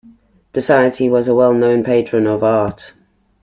Besides he was a well-known patron of art.